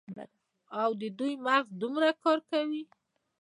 او د دوي مغـز دومـره کـار کـوي.